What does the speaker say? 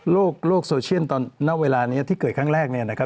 โลกโซเชียลตอนณเวลานี้ที่เกิดครั้งแรกเนี่ยนะครับ